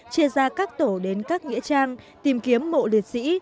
chia ra các tổ đến các nghĩa trang tìm kiếm mộ liệt sĩ